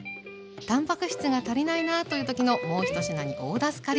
たんぱく質が足りないなという時のもう一品に大助かり。